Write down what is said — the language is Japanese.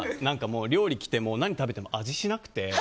もう、料理来て何食べても味しなくて。